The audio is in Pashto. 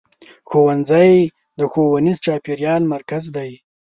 ښوونځی د ښوونیز چاپېریال مرکز دی.